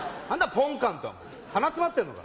ポンカンって鼻詰まってんのか。